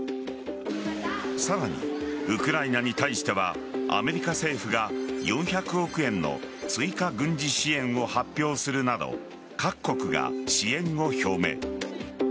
さらに、ウクライナに対してはアメリカ政府が４００億円の追加軍事支援を発表するなど各国が支援を表明。